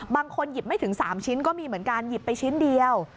หยิบไม่ถึง๓ชิ้นก็มีเหมือนกันหยิบไปชิ้นเดียว